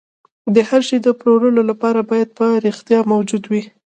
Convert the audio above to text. هر شی د پلورلو لپاره باید په رښتیا موجود وي